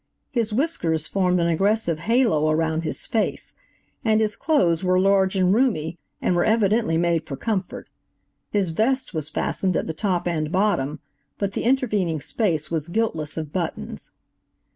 His whiskers formed an aggressive halo around his face, and his clothes were large and roomy, and were evidently made for comfort. His vest was fastened at the top and bottom, but the intervening space was guiltless of buttons.